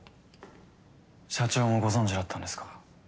社長もご存じだったんですか。